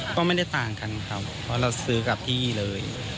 ก็ไม่ได้ต่างกันครับเพราะเราซื้อกับที่เลย